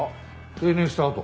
定年したあと？